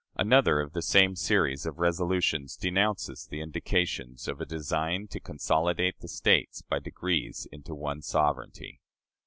Another of the same series of resolutions denounces the indications of a design "to consolidate the States by degrees into one sovereignty."